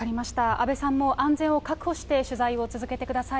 阿部さんも安全を確保して取材を続けてください。